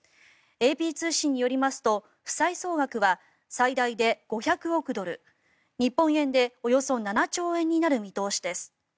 ＡＰ通信によりますと負債総額は最大で５００億ドル日本円でおよそ７兆円になる見通しです。